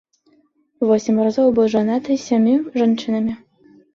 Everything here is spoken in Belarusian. Восем разоў быў жанаты з сямю жанчынамі.